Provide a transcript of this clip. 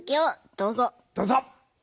どうぞ。